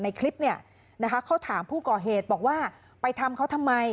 ในคลิปเขาถามผู้ก่อเหตุบอกว่าไปทำเขาทำไม